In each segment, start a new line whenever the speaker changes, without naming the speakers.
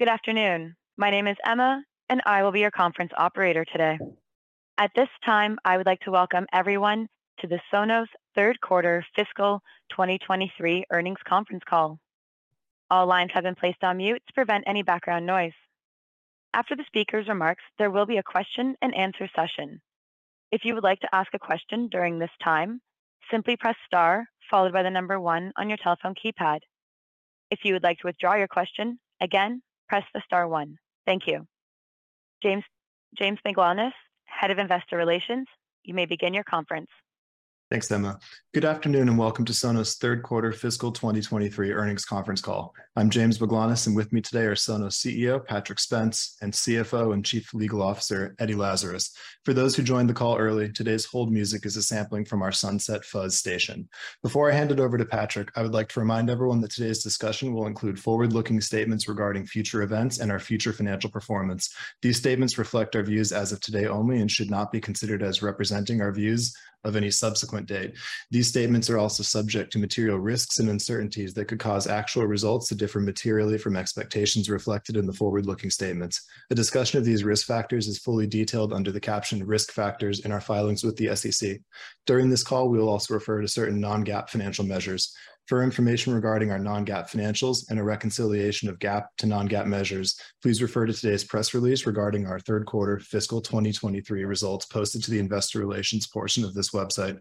Good afternoon. My name is Emma, and I will be your conference operator today. At this time, I would like to welcome everyone to the Sonos Q3 fiscal 2023 earnings conference call. All lines have been placed on mute to prevent any background noise. After the speaker's remarks, there will be a question and answer session. If you would like to ask a question during this time, simply press star followed by the number one on your telephone keypad. If you would like to withdraw your question, again, press the star one. Thank you. James, James Baglanis, Head of Investor Relations, you may begin your conference.
Thanks, Emma. Good afternoon, and welcome to Sonos' Q3 fiscal 2023 earnings conference call. I'm James Baglanis, and with me today are Sonos CEO, Patrick Spence, and CFO and CLO, Eddie Lazarus. For those who joined the call early, today's hold music is a sampling from our Sunset Fuzz station. Before I hand it over to Patrick, I would like to remind everyone that today's discussion will include forward-looking statements regarding future events and our future financial performance. These statements reflect our views as of today only and should not be considered as representing our views of any subsequent date. These statements are also subject to material risks and uncertainties that could cause actual results to differ materially from expectations reflected in the forward-looking statements. A discussion of these risk factors is fully detailed under the captioned risk factors in our filings with the SEC. During this call, we will also refer to certain non-GAAP financial measures. For information regarding our non-GAAP financials and a reconciliation of GAAP to non-GAAP measures, please refer to today's press release regarding our Q3 fiscal 2023 results posted to the investor relations portion of this website.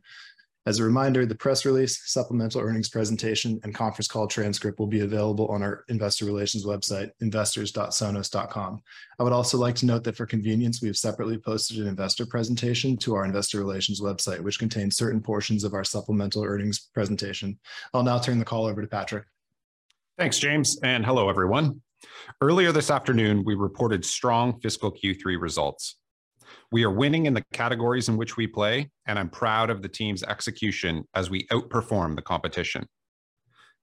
As a reminder, the press release, supplemental earnings presentation, and conference call transcript will be available on our investor relations website, investors.sonos.com. I would also like to note that for convenience, we have separately posted an investor presentation to our investor relations website, which contains certain portions of our supplemental earnings presentation. I'll now turn the call over to Patrick.
Thanks, James. Hello, everyone. Earlier this afternoon, we reported strong fiscal Q3 results. We are winning in the categories in which we play. I'm proud of the team's execution as we outperform the competition.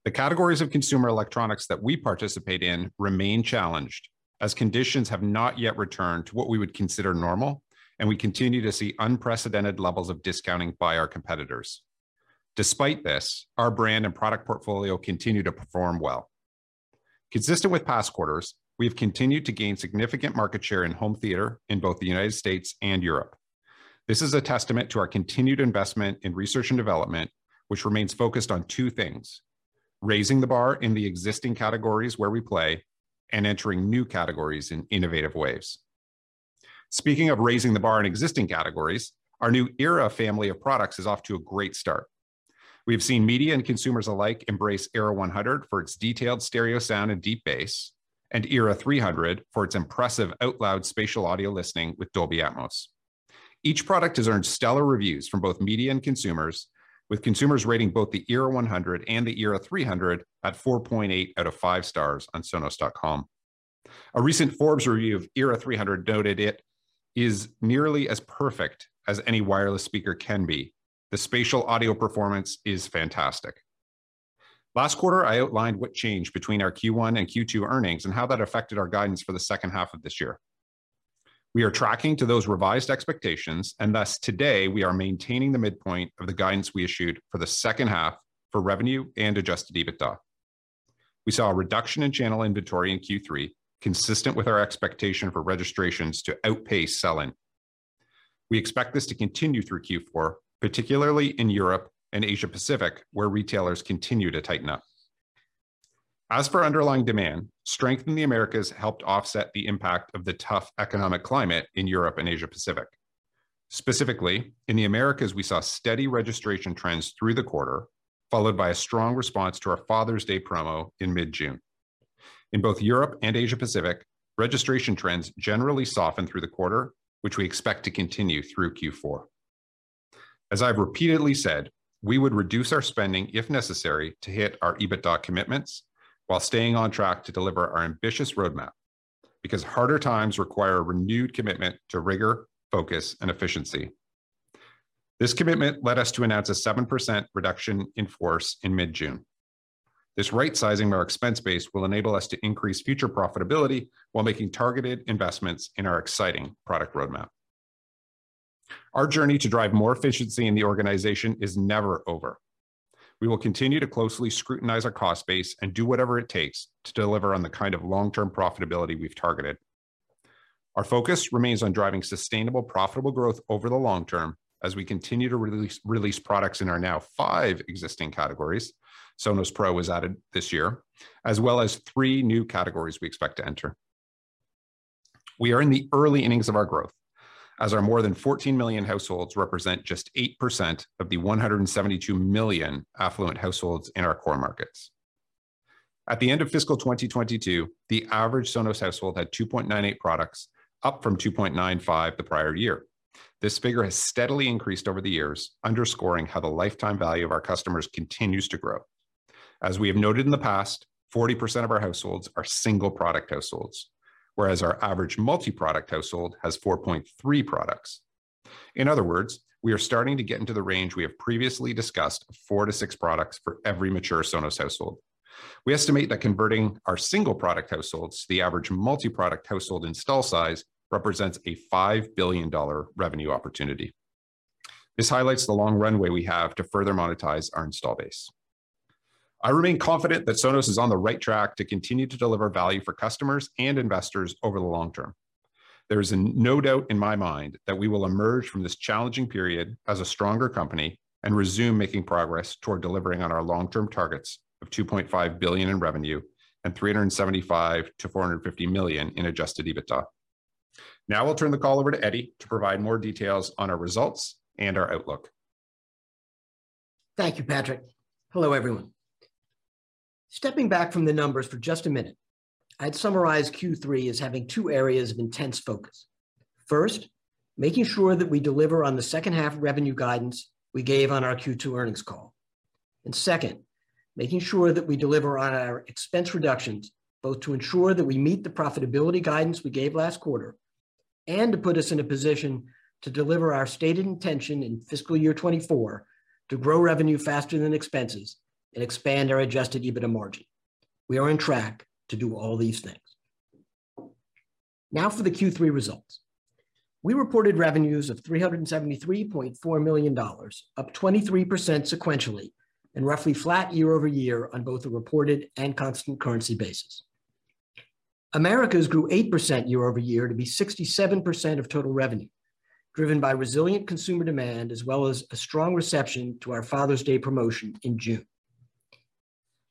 The categories of consumer electronics that we participate in remain challenged, as conditions have not yet returned to what we would consider normal. We continue to see unprecedented levels of discounting by our competitors. Despite this, our brand and product portfolio continue to perform well. Consistent with past quarters, we have continued to gain significant market share in home theater in both the US and Europe. This is a testament to our continued investment in research and development, which remains focused on two things: raising the bar in the existing categories where we play and entering new categories in innovative ways. Speaking of raising the bar in existing categories, our new Era family of products is off to a great start. We have seen media and consumers alike embrace Era 100 for its detailed stereo sound and deep bass, and Era 300 for its impressive out loud spatial audio listening with Dolby Atmos. Each product has earned stellar reviews from both media and consumers, with consumers rating both the Era 100 and the Era 300 at 4.8 out of 5 stars on sonos.com. A recent Forbes review of Era 300 noted it is nearly as perfect as any wireless speaker can be. The spatial audio performance is fantastic. Last quarter, I outlined what changed between our Q1 and Q2 earnings and how that affected our guidance for the H2 of this year. We are tracking to those revised expectations, and thus, today, we are maintaining the midpoint of the guidance we issued for the H2 for revenue and Adjusted EBITDA. We saw a reduction in channel inventory in Q3, consistent with our expectation for registrations to outpace sell-in. We expect this to continue through Q4, particularly in Europe and Asia Pacific, where retailers continue to tighten up. As for underlying demand, strength in the Americas helped offset the impact of the tough economic climate in Europe and Asia Pacific. Specifically, in the Americas, we saw steady registration trends through the quarter, followed by a strong response to our Father's Day promo in mid-June. In both Europe and Asia Pacific, registration trends generally softened through the quarter, which we expect to continue through Q4. As I've repeatedly said, we would reduce our spending, if necessary, to hit our EBITDA commitments while staying on track to deliver our ambitious roadmap, because harder times require a renewed commitment to rigor, focus, and efficiency. This commitment led us to announce a 7% reduction in force in mid-June. This right-sizing of our expense base will enable us to increase future profitability while making targeted investments in our exciting product roadmap. Our journey to drive more efficiency in the organization is never over. We will continue to closely scrutinize our cost base and do whatever it takes to deliver on the kind of long-term profitability we've targeted. Our focus remains on driving sustainable, profitable growth over the long term as we continue to release, release products in our now five existing categories, Sonos Pro was added this year, as well as three new categories we expect to enter. We are in the early innings of our growth, as our more than 14 million households represent just 8% of the 172 million affluent households in our core markets. At the end of fiscal 2022, the average Sonos household had 2.98 products, up from 2.95 the prior year. This figure has steadily increased over the years, underscoring how the lifetime value of our customers continues to grow. As we have noted in the past, 40% of our households are single-product households, whereas our average multi-product household has 4.3 products. In other words, we are starting to get into the range we have previously discussed of four-six products for every mature Sonos household. We estimate that converting our single-product households to the average multi-product household install size represents a $5 billion revenue opportunity.... This highlights the long runway we have to further monetize our install base. I remain confident that Sonos is on the right track to continue to deliver value for customers and investors over the long term. There is no doubt in my mind that we will emerge from this challenging period as a stronger company, and resume making progress toward delivering on our long-term targets of $2.5 billion in revenue and $375 million-$450 million in Adjusted EBITDA. Now I'll turn the call over to Eddie to provide more details on our results and our outlook.
Thank you, Patrick. Hello, everyone. Stepping back from the numbers for just a minute, I'd summarize Q3 as having two areas of intense focus. First, making sure that we deliver on the H2 revenue guidance we gave on our Q2 earnings call. Second, making sure that we deliver on our expense reductions, both to ensure that we meet the profitability guidance we gave last quarter, and to put us in a position to deliver our stated intention in FY 2024 to grow revenue faster than expenses and expand our Adjusted EBITDA margin. We are on track to do all these things. For the Q3 results. We reported revenues of $373.4 million, up 23% sequentially, and roughly flat year-over-year on both a reported and constant currency basis. Americas grew 8% year-over-year to be 67% of total revenue, driven by resilient consumer demand, as well as a strong reception to our Father's Day promotion in June.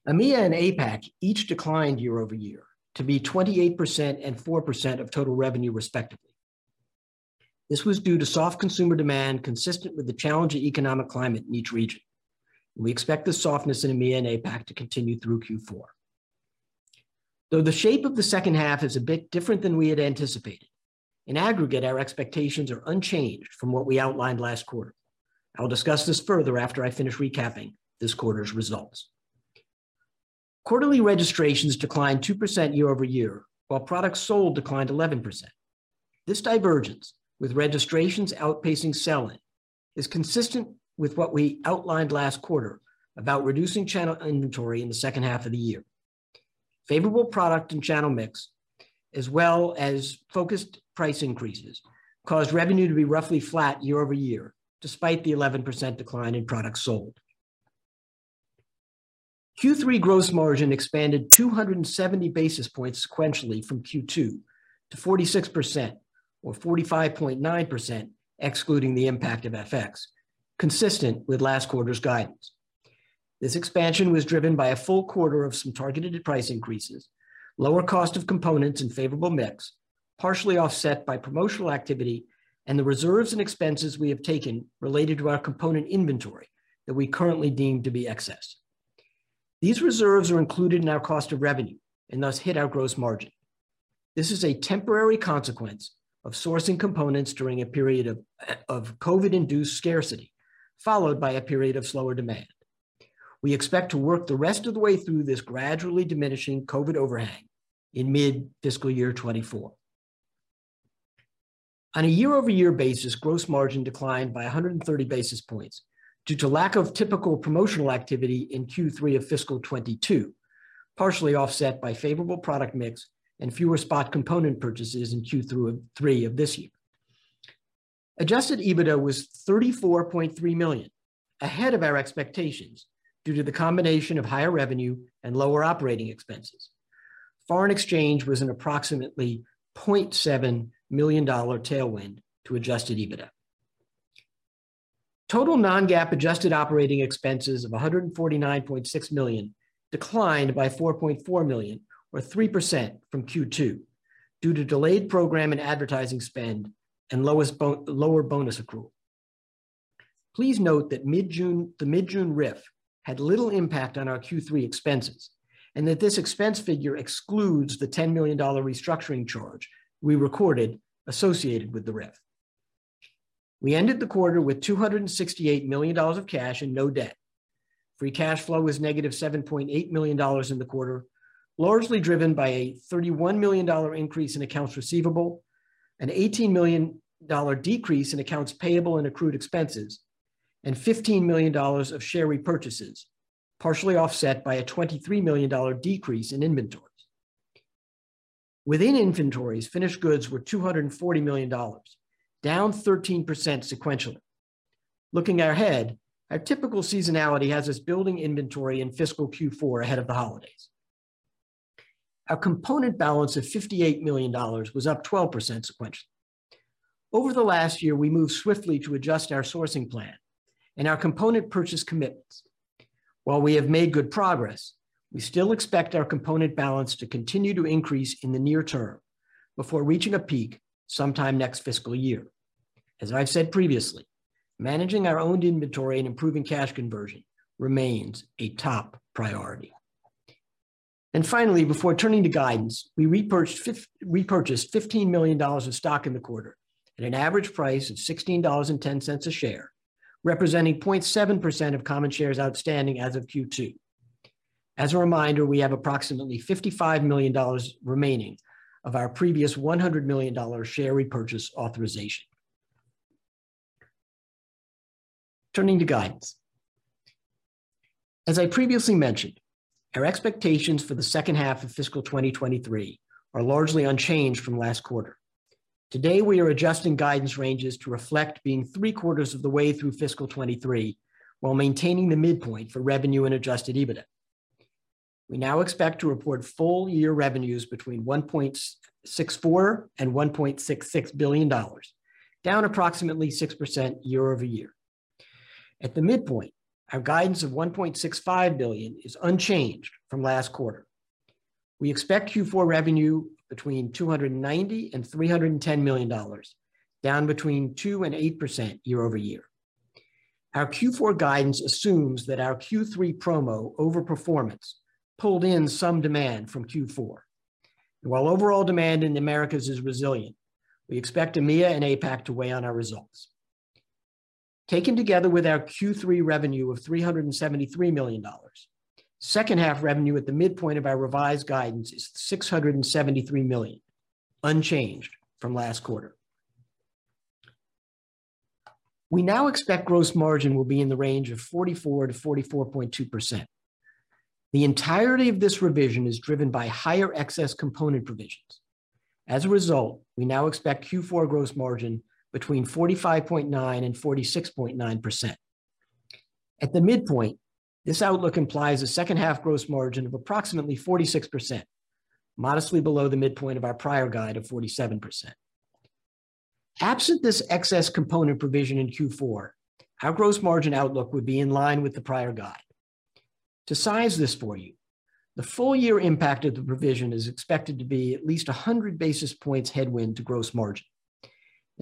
EMEA and APAC each declined year-over-year, to be 28% and 4% of total revenue, respectively. This was due to soft consumer demand, consistent with the challenging economic climate in each region. We expect this softness in EMEA and APAC to continue through Q4. Though the shape of the H2 is a bit different than we had anticipated, in aggregate, our expectations are unchanged from what we outlined last quarter. I will discuss this further after I finish recapping this quarter's results. Quarterly registrations declined 2% year-over-year, while products sold declined 11%. This divergence, with registrations outpacing selling, is consistent with what we outlined last quarter about reducing channel inventory in the H2 of the year. Favorable product and channel mix, as well as focused price increases, caused revenue to be roughly flat year-over-year, despite the 11% decline in products sold. Q3 gross margin expanded 270 basis points sequentially from Q2, to 46%, or 45.9%, excluding the impact of FX, consistent with last quarter's guidance. This expansion was driven by a full quarter of some targeted price increases, lower cost of components and favorable mix, partially offset by promotional activity, and the reserves and expenses we have taken related to our component inventory that we currently deem to be excess. These reserves are included in our cost of revenue and thus hit our gross margin. This is a temporary consequence of sourcing components during a period of COVID-induced scarcity, followed by a period of slower demand. We expect to work the rest of the way through this gradually diminishing COVID overhang in mid-FY 2024. On a year-over-year basis, gross margin declined by 130 basis points due to lack of typical promotional activity in Q3 of fiscal 2022, partially offset by favorable product mix and fewer spot component purchases in Q3 of this year. Adjusted EBITDA was $34.3 million, ahead of our expectations, due to the combination of higher revenue and lower operating expenses. Foreign exchange was an approximately $0.7 million tailwind to Adjusted EBITDA. Total non-GAAP adjusted operating expenses of $149.6 million declined by $4.4 million, or 3% from Q2, due to delayed program and advertising spend and lower bonus accrual. Please note that the mid-June RIF had little impact on our Q3 expenses, and that this expense figure excludes the $10 million restructuring charge we recorded associated with the RIF. We ended the quarter with $268 million of cash and no debt. Free cash flow was negative $7.8 million in the quarter, largely driven by a $31 million increase in accounts receivable, an $18 million decrease in accounts payable and accrued expenses, and $15 million of share repurchases, partially offset by a $23 million decrease in inventories. Within inventories, finished goods were $240 million, down 13% sequentially. Looking ahead, our typical seasonality has us building inventory in fiscal Q4 ahead of the holidays. Our component balance of $58 million was up 12% sequentially. Over the last year, we moved swiftly to adjust our sourcing plan and our component purchase commitments. While we have made good progress, we still expect our component balance to continue to increase in the near term before reaching a peak sometime next FY. As I've said previously, managing our own inventory and improving cash conversion remains a top priority. Finally, before turning to guidance, we repurchased $15 million of stock in the quarter at an average price of $16.10 a share, representing 0.7% of common shares outstanding as of Q2. As a reminder, we have approximately $55 million remaining of our previous $100 million share repurchase authorization. Turning to guidance. As I previously mentioned, our expectations for the H2 of fiscal 2023 are largely unchanged from last quarter. Today, we are adjusting guidance ranges to reflect being three quarters of the way through fiscal 2023, while maintaining the midpoint for revenue and Adjusted EBITDA. We now expect to report full-year revenues between $1.64 billion and $1.66 billion, down approximately 6% year-over-year. At the midpoint, our guidance of $1.65 billion is unchanged from last quarter. We expect Q4 revenue between $290 million and $310 million, down between 2% and 8% year-over-year. Our Q4 guidance assumes that our Q3 promo overperformance pulled in some demand from Q4. While overall demand in the Americas is resilient, we expect EMEA and APAC to weigh on our results. Taken together with our Q3 revenue of $373 million, H2 revenue at the midpoint of our revised guidance is $673 million, unchanged from last quarter. We now expect gross margin will be in the range of 44-44.2%. The entirety of this revision is driven by higher excess component provisions. As a result, we now expect Q4 gross margin between 45.9% and 46.9%. At the midpoint, this outlook implies a H2 gross margin of approximately 46%, modestly below the midpoint of our prior guide of 47%. Absent this excess component provision in Q4, our gross margin outlook would be in line with the prior guide. To size this for you, the full year impact of the provision is expected to be at least 100 basis points headwind to gross margin.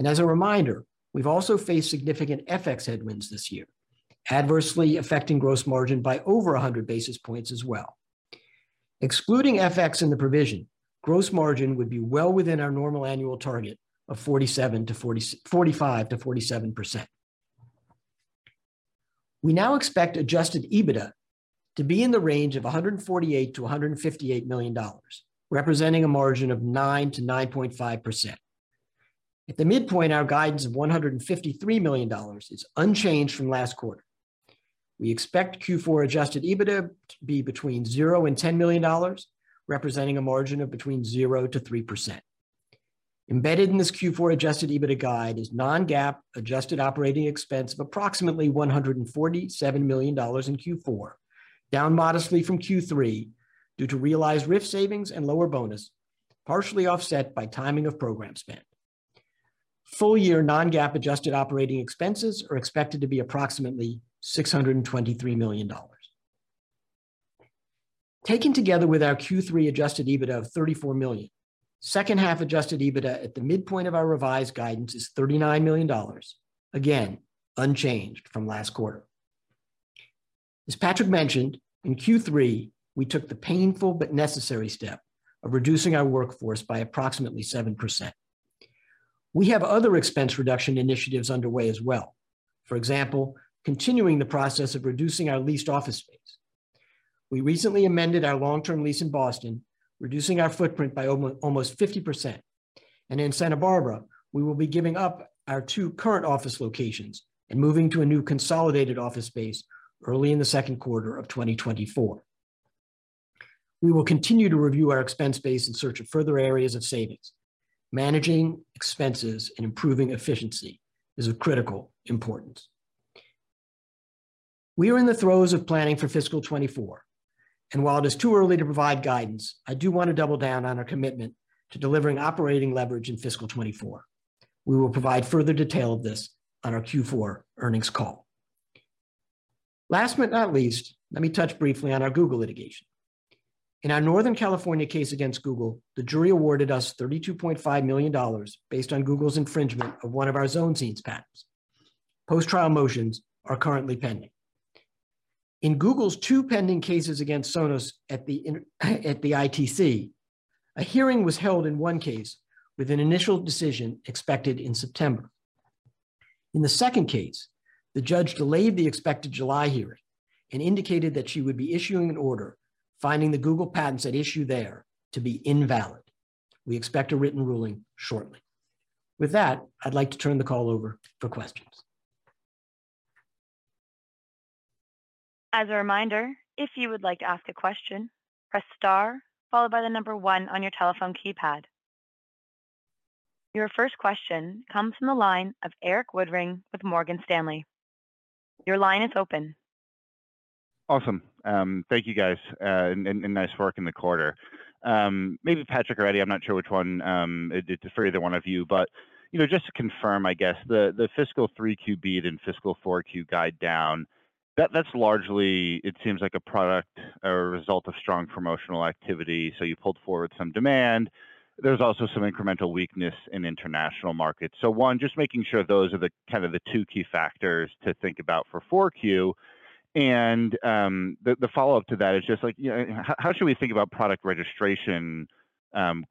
As a reminder, we've also faced significant FX headwinds this year, adversely affecting gross margin by over 100 basis points as well. Excluding FX in the provision, gross margin would be well within our normal annual target of 45-47%. We now expect Adjusted EBITDA to be in the range of $148 million-158 million, representing a margin of 9-9.5%. At the midpoint, our guidance of $153 million is unchanged from last quarter. We expect Q4 Adjusted EBITDA to be between $0-10 million, representing a margin of between 0-3%. Embedded in this Q4 Adjusted EBITDA guide is non-GAAP Adjusted Operating Expense of approximately $147 million in Q4, down modestly from Q3 due to realized RIF savings and lower bonus, partially offset by timing of program spend. Full year non-GAAP Adjusted Operating Expenses are expected to be approximately $623 million. Taken together with our Q3 Adjusted EBITDA of $34 million, H2 Adjusted EBITDA at the midpoint of our revised guidance is $39 million, again, unchanged from last quarter. As Patrick mentioned, in Q3, we took the painful but necessary step of reducing our workforce by approximately 7%. We have other expense reduction initiatives underway as well. For example, continuing the process of reducing our leased office space. We recently amended our long-term lease in Boston, reducing our footprint by almost 50%. In Santa Barbara, we will be giving up our two current office locations and moving to a new consolidated office space early in the second quarter of 2024. We will continue to review our expense base in search of further areas of savings. Managing expenses and improving efficiency is of critical importance. We are in the throes of planning for fiscal 2024, and while it is too early to provide guidance, I do want to double down on our commitment to delivering operating leverage in fiscal 2024. We will provide further detail of this on our Q4 earnings call. Last but not least, let me touch briefly on our Google litigation. In our Northern California case against Google, the jury awarded us $32.5 million based on Google's infringement of one of our Zone Scene patents. Post-trial motions are currently pending. In Google's two pending cases against Sonos at the ITC, a hearing was held in one case with an initial decision expected in September. In the second case, the judge delayed the expected July hearing and indicated that she would be issuing an order finding the Google patents at issue there to be invalid. We expect a written ruling shortly. With that, I'd like to turn the call over for questions.
As a reminder, if you would like to ask a question, press star, followed by one on your telephone keypad. Your first question comes from the line of Eric Woodring with Morgan Stanley. Your line is open.
Awesome. Thank you, guys, and nice work in the quarter. Maybe Patrick or Eddie, I'm not sure which one, it's for either one of you, but, you know, just to confirm, I guess, the, the fiscal 3Q beat and fiscal 4Q guide down, that's largely, it seems like a product or a result of strong promotional activity, so you pulled forward some demand. There's also some incremental weakness in international markets. 1, just making sure those are the kind of the two key factors to think about for 4Q. The, the follow-up to that is just like, you know, how should we think about product registration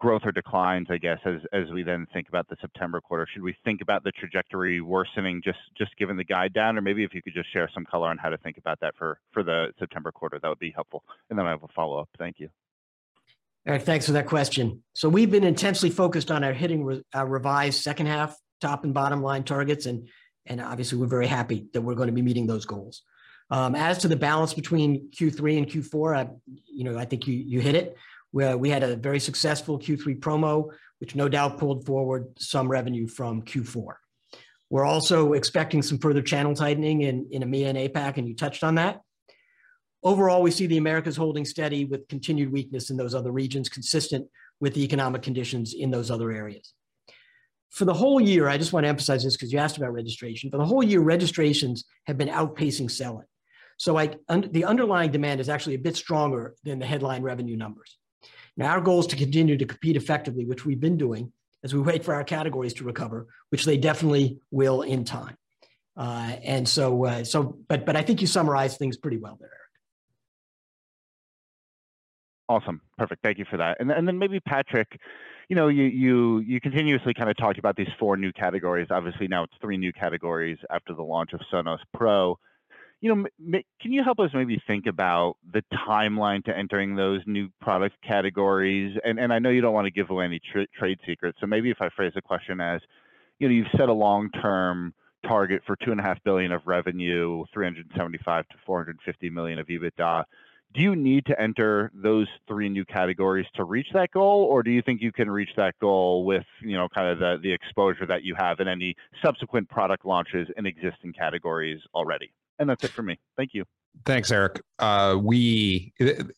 growth or declines, I guess, as, as we then think about the September quarter? Should we think about the trajectory worsening just, just given the guide down? Maybe if you could just share some color on how to think about that for, for the September quarter, that would be helpful. Then I have a follow-up. Thank you.
Eric, thanks for that question. We've been intensely focused on our hitting our revised H2 top and bottom line targets, and obviously we're very happy that we're gonna be meeting those goals. As to the balance between Q3 and Q4. I, you know, I think you, you hit it, where we had a very successful Q3 promo, which no doubt pulled forward some revenue from Q4. We're also expecting some further channel tightening in, in EMEA and APAC, and you touched on that. Overall, we see the Americas holding steady with continued weakness in those other regions, consistent with the economic conditions in those other areas. For the whole year, I just want to emphasize this 'cause you asked about registration. For the whole year, registrations have been outpacing selling. I, the underlying demand is actually a bit stronger than the headline revenue numbers. Our goal is to continue to compete effectively, which we've been doing, as we wait for our categories to recover, which they definitely will in time. I think you summarized things pretty well there, Eric.
Awesome. Perfect, thank you for that. Then, maybe Patrick, you know, you continuously kind of talked about these four new categories. Obviously, now it's three new categories after the launch of Sonos Pro. You know, can you help us maybe think about the timeline to entering those new product categories? I know you don't want to give away any trade secrets, so maybe if I phrase the question as, you know, you've set a long-term target for $2.5 billion of revenue, $375 million-450 million of EBITDA. Do you need to enter those three new categories to reach that goal, or do you think you can reach that goal with, you know, kind of the, the exposure that you have in any subsequent product launches in existing categories already? That's it for me. Thank you.
Thanks, Eric. we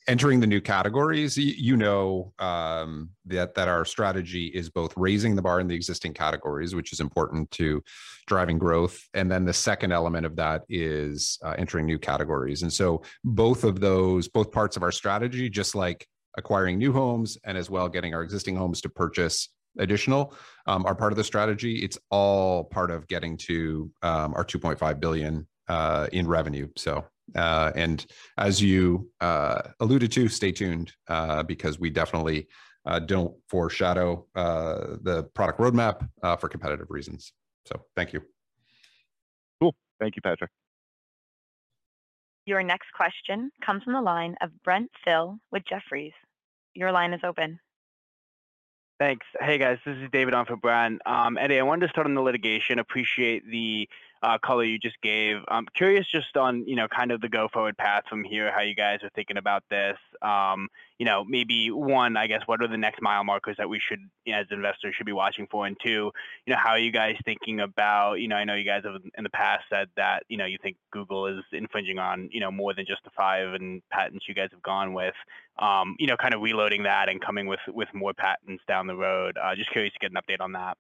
entering the new categories, you know, that our strategy is both raising the bar in the existing categories, which is important to driving growth, and then the second element of that is entering new categories. So both of those, both parts of our strategy, just like acquiring new homes and as well getting our existing homes to purchase additional, are part of the strategy. It's all part of getting to our $2.5 billion in revenue. And as you alluded to, stay tuned, because we definitely don't foreshadow the product roadmap for competitive reasons. Thank you.
Cool. Thank you, Patrick.
Your next question comes from the line of Brent Thill with Jefferies. Your line is open.
Thanks. Hey, guys, this is David on for Brent. Eddie, I wanted to start on the litigation. Appreciate the color you just gave. I'm curious just on, you know, kind of the go-forward path from here, how you guys are thinking about this. You know, maybe, one, I guess, what are the next mile markers that we should, as investors, should be watching for? Two, you know, how are you guys thinking about... You know, I know you guys have, in the past said that, you know, you think Google is infringing on, you know, more than just the five patents you guys have gone with. You know, kind of reloading that and coming with, with more patents down the road. Just curious to get an update on that.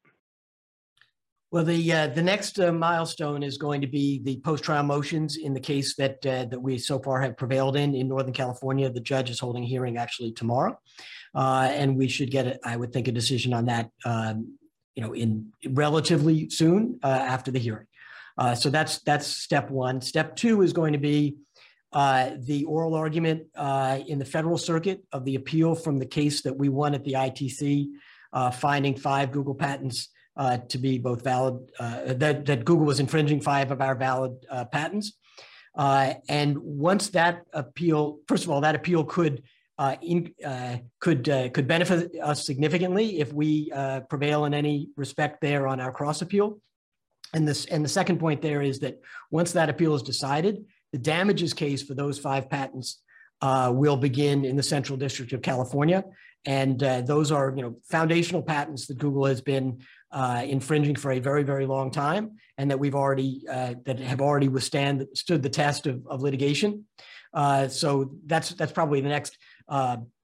Well, the next milestone is going to be the post-trial motions in the case that we so far have prevailed in, in Northern California. The judge is holding a hearing actually tomorrow, and we should get a, I would think, a decision on that, you know, in relatively soon after the hearing. So that's, that's step one. Step two is going to be the oral argument in the Federal Circuit of the appeal from the case that we won at the ITC, finding five Google patents to be both valid, that Google was infringing five of our valid patents. Once that appeal. First of all, that appeal could benefit us significantly if we prevail in any respect there on our cross-appeal. The second point there is that once that appeal is decided, the damages case for those five patents will begin in the Central District of California. Those are, you know, foundational patents that Google has been infringing for a very, very long time, and that we've already that have already withstood the test of litigation. That's, that's probably the next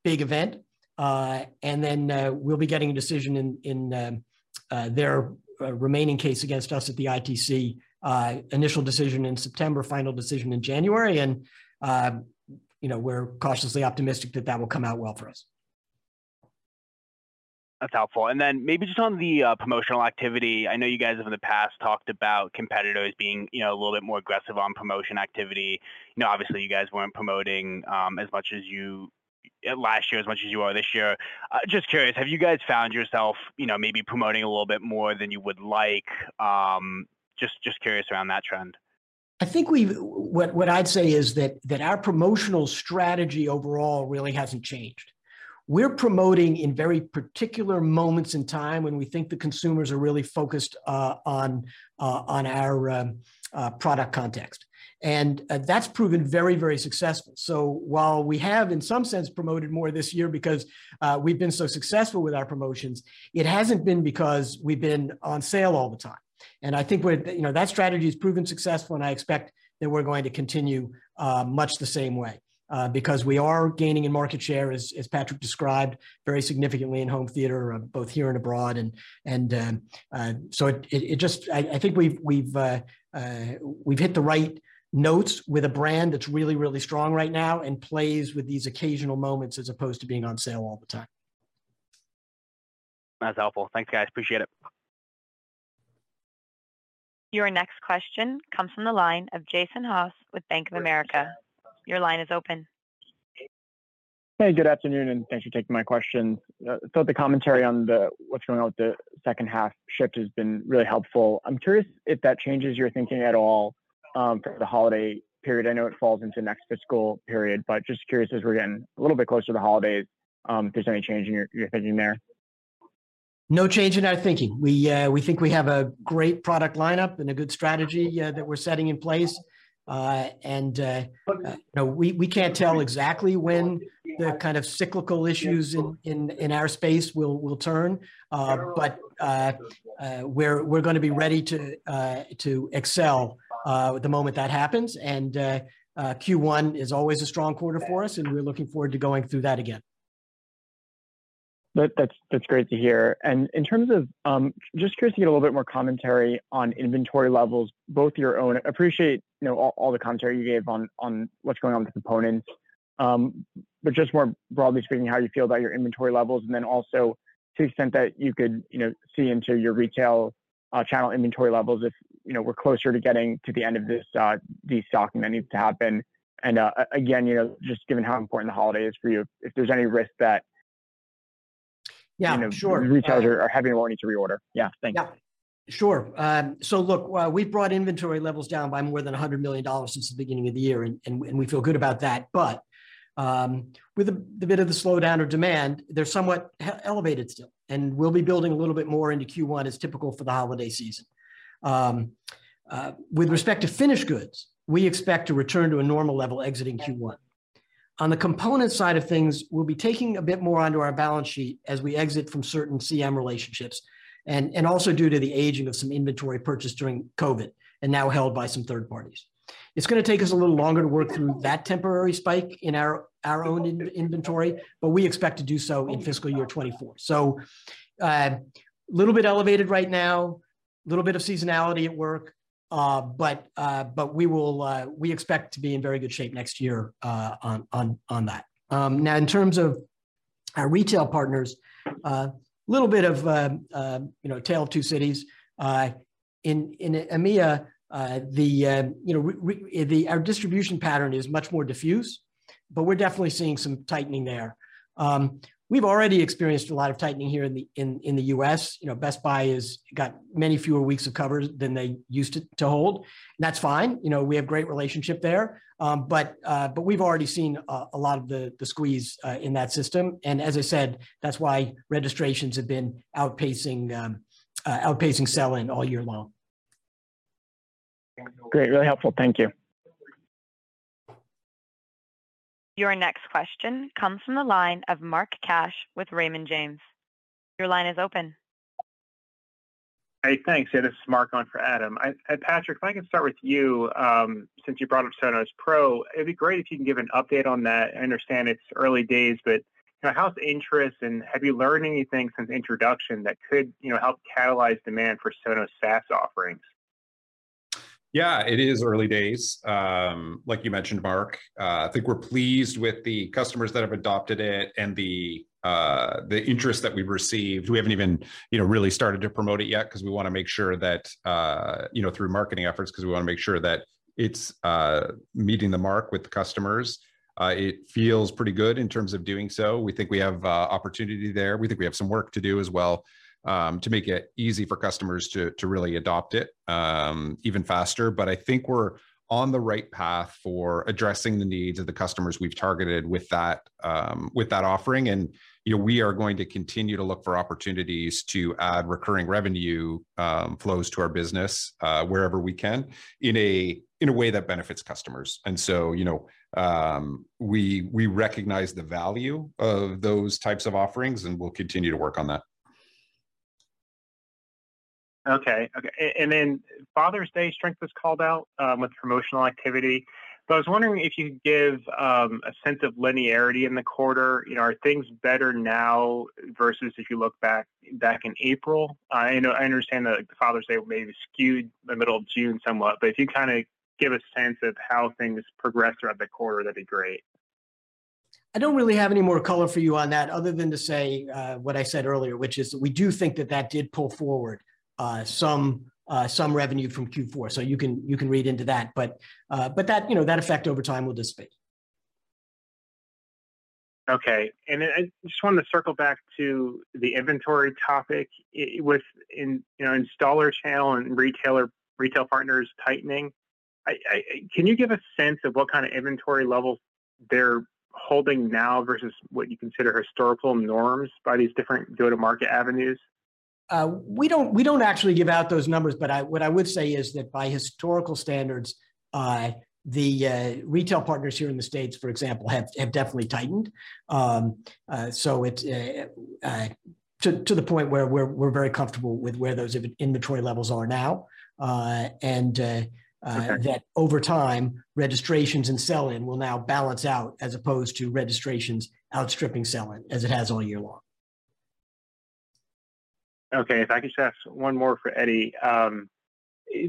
big event. Then we'll be getting a decision in their remaining case against us at the ITC, initial decision in September, final decision in January, you know, we're cautiously optimistic that that will come out well for us.
That's helpful. Then maybe just on the promotional activity, I know you guys have in the past talked about competitors being, you know, a little bit more aggressive on promotion activity. You know, obviously you guys weren't promoting, as much as you, last year as much as you are this year. Just curious, have you guys found yourself, you know, maybe promoting a little bit more than you would like? Just, just curious around that trend.
I think we've... What, what I'd say is that, that our promotional strategy overall really hasn't changed. We're promoting in very particular moments in time when we think the consumers are really focused on on our product context, and that's proven very, very successful. While we have in some sense promoted more this year because we've been so successful with our promotions, it hasn't been because we've been on sale all the time. I think what, you know, that strategy has proven successful, and I expect that we're going to continue much the same way because we are gaining in market share, as, as Patrick described, very significantly in home theater, both here and abroad. so it, it, it just... I, I think we've, we've, we've hit the right notes with a brand that's really, really strong right now and plays with these occasional moments as opposed to being on sale all the time.
That's helpful. Thanks, guys, appreciate it.
Your next question comes from the line of Jason Haas with Bank of America. Your line is open.
Hey, good afternoon, thanks for taking my question. The commentary on the what's going on with the H2 shift has been really helpful. I'm curious if that changes your thinking at all, for the holiday period. I know it falls into next fiscal period, but just curious as we're getting a little bit closer to the holidays, if there's any change in your, your thinking there?
No change in our thinking. We, we think we have a great product lineup and a good strategy that we're setting in place. And-
Okay
no, we, we can't tell exactly when the kind of cyclical issues in, in, in our space will, will turn. we're, we're gonna be ready to excel the moment that happens. Q1 is always a strong quarter for us, and we're looking forward to going through that again.
That, that's, that's great to hear. In terms of, just curious to get a little bit more commentary on inventory levels, both your own... I appreciate, you know, all, all the commentary you gave on, on what's going on with components. But just more broadly speaking, how you feel about your inventory levels, and then also to the extent that you could, you know, see into your retail channel inventory levels if, you know, we're closer to getting to the end of this destocking that needs to happen. Again, you know, just given how important the holiday is for you, if there's any risk that.
Yeah, sure.
You know, retailers are having more need to reorder. Yeah. Thank you.
Yeah. Sure. Look, we've brought inventory levels down by more than $100 million since the beginning of the year, and we feel good about that. With the bit of the slowdown of demand, they're somewhat elevated still, and we'll be building a little bit more into Q1, as typical for the holiday season. With respect to finished goods, we expect to return to a normal level exiting Q1. On the component side of things, we'll be taking a bit more onto our balance sheet as we exit from certain CM relationships, and also due to the aging of some inventory purchased during COVID and now held by some third parties. It's gonna take us a little longer to work through that temporary spike in our own in-inventory, but we expect to do so in FY 2024. Little bit elevated right now, little bit of seasonality at work, but, but we will... we expect to be in very good shape next year, on, on, on that. Now, in terms of our retail partners, a little bit of, you know, tale of two cities. In, in EMEA, the, you know, we, we, the, our distribution pattern is much more diffused, but we're definitely seeing some tightening there. We've already experienced a lot of tightening here in the, in, in the US. You know, Best Buy has got many fewer weeks of cover than they used to, to hold, and that's fine. You know, we have great relationship there. We've already seen, a lot of the, the squeeze, in that system, and as I said, that's why registrations have been outpacing, outpacing sell-in all year long.
Great, really helpful. Thank you.
Your next question comes from the line of Mark Cash with Raymond James. Your line is open.
Hey, thanks. Yeah, this is Mark on for Adam. Hey, Patrick, if I can start with you, since you brought up Sonos Pro, it'd be great if you can give an update on that? I understand it's early days, but, you know, how's interest, and have you learned anything since introduction that could, you know, help catalyze demand for Sonos SaaS offerings?
Yeah, it is early days, like you mentioned, Mark. I think we're pleased with the customers that have adopted it and the interest that we've received. We haven't even, you know, really started to promote it yet, 'cause we wanna make sure that, you know, through marketing efforts, 'cause we wanna make sure that it's meeting the mark with the customers. It feels pretty good in terms of doing so. We think we have opportunity there. We think we have some work to do as well, to make it easy for customers to, to really adopt it even faster. I think we're on the right path for addressing the needs of the customers we've targeted with that, with that offering. You know, we are going to continue to look for opportunities to add recurring revenue, flows to our business, wherever we can, in a, in a way that benefits customers. You know, we, we recognize the value of those types of offerings, and we'll continue to work on that.
Okay, okay. Father's Day strength was called out, with promotional activity. I was wondering if you could give a sense of linearity in the quarter. You know, are things better now versus if you look back, back in April? I know, I understand that Father's Day may be skewed the middle of June somewhat. If you kind of give a sense of how things progressed throughout the quarter, that'd be great.
I don't really have any more color for you on that other than to say, what I said earlier, which is we do think that that did pull forward, some, some revenue from Q4. You can, you can read into that. But that, you know, that effect over time will dissipate.
Okay. I just wanted to circle back to the inventory topic. with, you know, installer channel and retailer, retail partners tightening, Can you give a sense of what kind of inventory levels they're holding now versus what you consider historical norms by these different go-to-market avenues?
we don't actually give out those numbers, but what I would say is that, by historical standards, the retail partners here in the States, for example, have definitely tightened. so it's to the point where we're very comfortable with where those in-inventory levels are now.
Okay...
that over time, registrations and sell-in will now balance out, as opposed to registrations outstripping sell-in, as it has all year long.
Okay, if I could just ask one more for Eddie.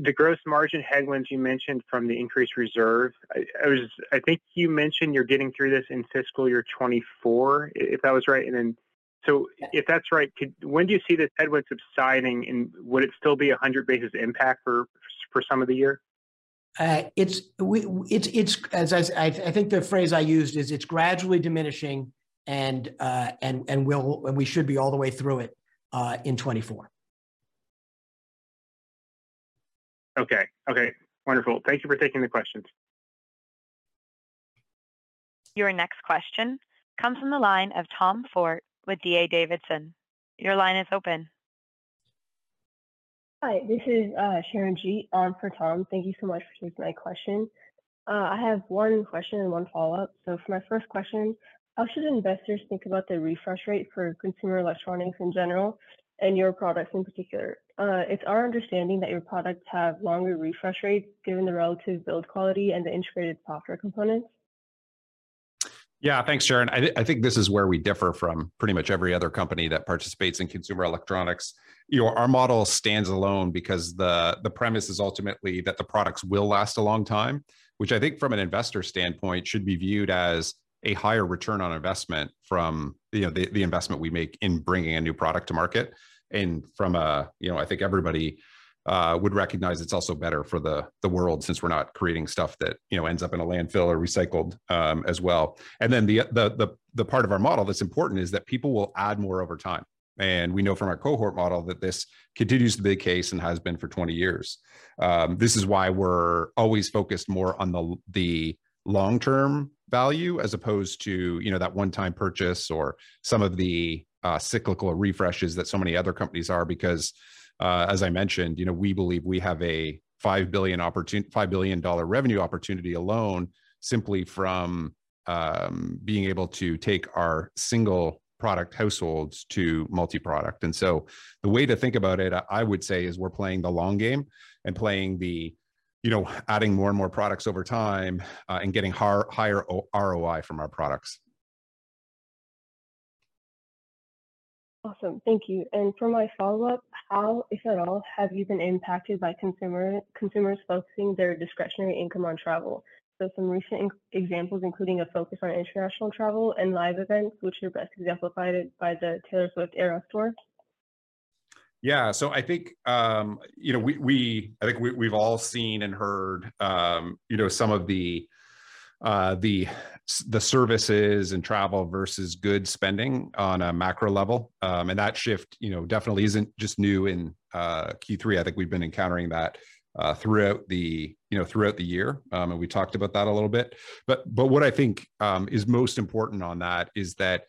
The gross margin headwinds you mentioned from the increased reserve, I think you mentioned you're getting through this in FY 2024, if that was right. If that's right, could... When do you see the headwinds subsiding, and would it still be a 100 basis impact for, for some of the year?
It's, as I think the phrase I used is it's gradually diminishing, and we'll- and we should be all the way through it.
in 2024.
Okay. Okay, wonderful. Thank you for taking the questions.
Your next question comes from the line of Tom Forte with D.A. Davidson. Your line is open.
Hi, this is Sharon Gee on for Tom. Thank you so much for taking my question. I have one question and one follow-up. For my 1st question, how should investors think about the refresh rate for consumer electronics in general and your products in particular? It's our understanding that your products have longer refresh rates, given the relative build quality and the integrated software components.
Yeah, thanks, Sharon. I think this is where we differ from pretty much every other company that participates in consumer electronics. You know, our model stands alone because the, the premise is ultimately that the products will last a long time, which I think from an investor standpoint, should be viewed as a higher return on investment from, you know, the, the investment we make in bringing a new product to market. You know, I think everybody would recognize it's also better for the, the world since we're not creating stuff that, you know, ends up in a landfill or recycled as well. Then the, the, the, the part of our model that's important is that people will add more over time, and we know from our cohort model that this continues to be the case and has been for 20 years. This is why we're always focused more on the, the long-term value as opposed to, you know, that one-time purchase or some of the cyclical refreshes that so many other companies are. Because, as I mentioned, you know, we believe we have a $5 billion revenue opportunity alone, simply from being able to take our single product households to multi-product. So the way to think about it, I would say, is we're playing the long game and playing the, you know, adding more and more products over time, and getting higher ROI from our products.
Awesome. Thank you. For my follow-up: How, if at all, have you been impacted by consumers focusing their discretionary income on travel? So some recent examples, including a focus on international travel and live events, which are best exemplified by the Taylor Swift Eras Tour.
Yeah. I think, you know, we, we've all seen and heard, you know, some of the services and travel versus goods spending on a macro level. That shift, you know, definitely isn't just new in Q3. I think we've been encountering that, throughout the, you know, throughout the year. We talked about that a little bit. But what I think is most important on that is that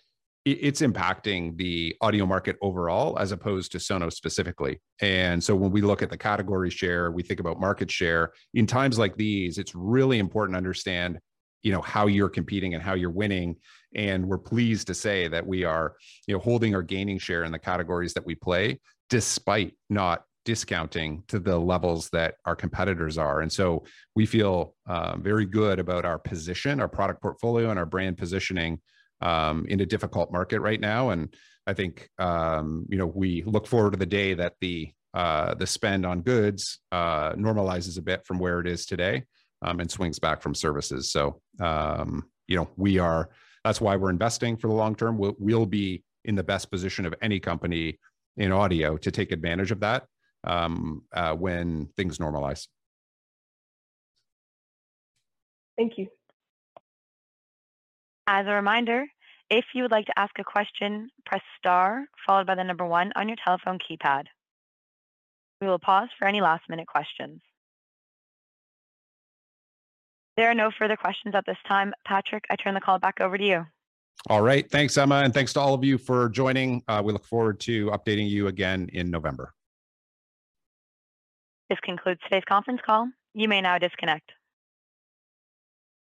it's impacting the audio market overall as opposed to Sonos specifically. When we look at the category share, we think about market share. In times like these, it's really important to understand, you know, how you're competing and how you're winning, and we're pleased to say that we are, you know, holding or gaining share in the categories that we play, despite not discounting to the levels that our competitors are. We feel very good about our position, our product portfolio, and our brand positioning in a difficult market right now. I think, you know, we look forward to the day that the spend on goods normalizes a bit from where it is today, and swings back from services. You know, we are that's why we're investing for the long term. We'll be in the best position of any company in audio to take advantage of that when things normalize.
Thank you.
As a reminder, if you would like to ask a question, press star, followed by the number one on your telephone keypad. We will pause for any last-minute questions. There are no further questions at this time. Patrick, I turn the call back over to you.
All right. Thanks, Emma, and thanks to all of you for joining. We look forward to updating you again in November.
This concludes today's conference call. You may now disconnect.